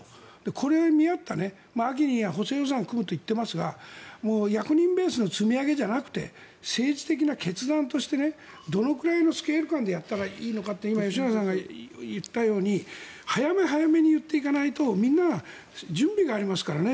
これに見合った秋に補正予算を組むと言っていますが役人ベースの積み上げじゃなくて政治的な決断としてどのくらいのスケール感でやったらいいのかって今、吉永さんが言ったように早め早めに言っていかないとみんな準備がありますからね